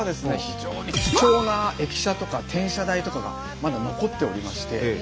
非常に貴重な駅舎とか転車台とかがまだ残っておりまして